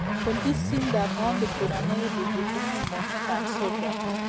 کندز سیند د افغان کورنیو د دودونو مهم عنصر دی.